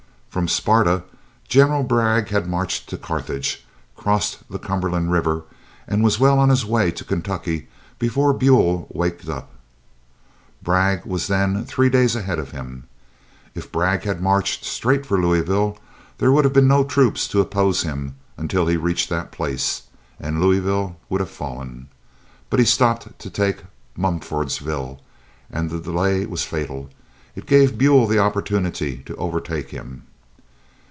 From Sparta General Bragg had marched to Carthage, crossed the Cumberland River, and was well on his way to Kentucky before Buell waked up. Bragg was then three days ahead of him. If Bragg had marched straight for Louisville, there would have been no troops to oppose him until he reached that place, and Louisville would have fallen. But he stopped to take Mumfordsville, and the delay was fatal. It gave Buell the opportunity to overtake him.